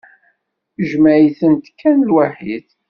Jmeɛ-itent kan lwaḥid.